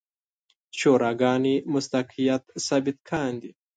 شوراګانې مصداقیت ثابت کاندي.